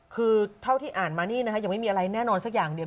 คือเท่าที่อ่านมานี่นะคะยังไม่มีอะไรแน่นอนสักอย่างเดียว